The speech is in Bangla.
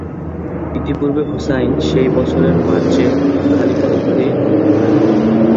ইতিপূর্বে হুসাইন সেই বছরের মার্চে খলিফা উপাধি ধারণ করেন।